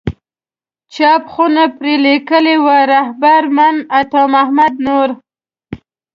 چاپ خونې پرې لیکلي وو رهبر من عطا محمد نور.